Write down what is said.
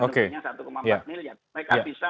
penduduknya satu empat miliar mereka bisa